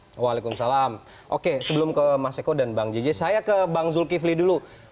waalaikumsalam oke sebelum ke mas eko dan bang jj saya ke bang zulkifli dulu